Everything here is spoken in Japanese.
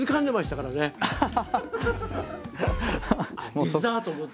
水だ！と思って。